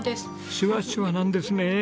シュワシュワなんですね。